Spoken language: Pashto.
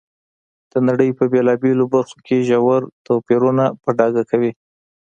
د نړۍ په بېلابېلو برخو کې ژور توپیرونه په ډاګه کوي.